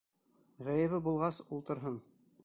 Ғәйебе булғас, ултырһын.